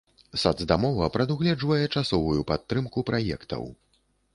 Сацдамова прадугледжвае часовую падтрымку праектаў.